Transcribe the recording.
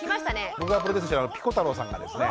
僕がプロデュースしてるピコ太郎さんがですね